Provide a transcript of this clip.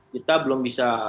kita belum bisa